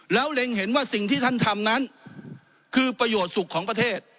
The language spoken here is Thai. แล้วเล็งเห็นว่าสิ่งที่ท่านทำนั้นคือประโยชน์สุขของประเทศ